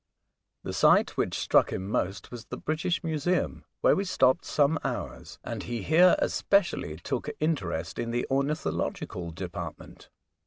The sight which struck him most was the British Museum, where we stopped some hours, and he here especially took interest in the ornithological department.